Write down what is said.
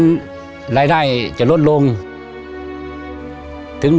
ก็ยังดีว่ามีคนมาดูแลน้องเติร์ดให้